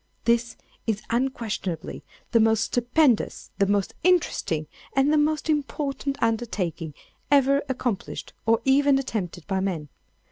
This is unquestionably the most stupendous, the most interesting, and the most important undertaking, ever accomplished or even attempted by man.